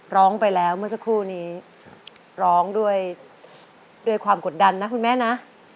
ร้องไปแล้วเมื่อสักครู่นี้ร้องด้วยความกดดันนะคุณแม่นะ